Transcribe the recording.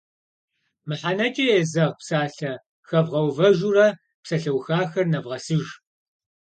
Мыхьэнэкӏэ езэгъ псалъэ хэвгъэувэжурэ псалъэухахэр нэвгъэсыж.